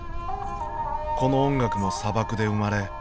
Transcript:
この音楽も砂漠で生まれ